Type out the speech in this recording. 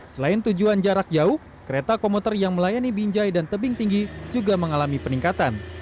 selain tujuan jarak jauh kereta komuter yang melayani binjai dan tebing tinggi juga mengalami peningkatan